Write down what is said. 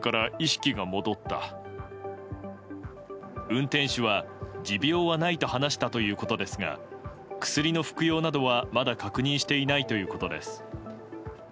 運転手は持病はないと話したということですが薬の服用などは、まだ確認していないということです。